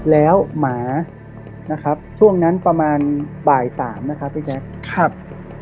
แล้วหมานะครับช่วงนั้นประมาณบ่ายสามนะครับพี่แจ๊คครับ